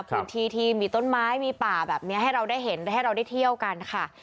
พื้นที่ที่มีต้นไม้มีป่าแบบนี้ให้เราได้เห็นให้เราได้เที่ยวกันค่ะ